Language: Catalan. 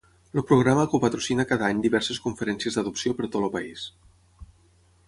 El programa copatrocina cada any diverses conferències d'adopció per tot el país.